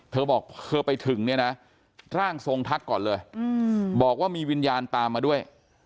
เธอบอกเธอไปถึงเนี่ยนะร่างทรงทักก่อนเลยบอกว่ามีวิญญาณตามมาด้วย